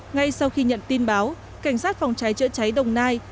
ngay sau khi nhận tin báo cảnh sát phòng cháy chữa cháy đồng nai